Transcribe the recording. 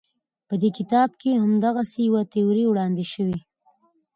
په دې کتاب کې همدغسې یوه تیوري وړاندې شوې.